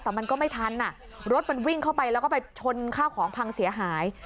แต่มันก็ไม่ทันรถมันวิ่งเข้าไปแล้วก็ไปชนข้าวของพังเสียหาย